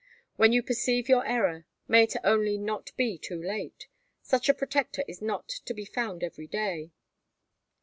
When you perceive your error may it only not be too late! Such a protector is not to be found every day."